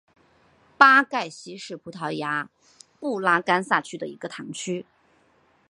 巴盖希是葡萄牙布拉干萨区的一个堂区。